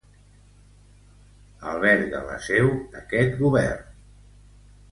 Alberga la seu d'este govern.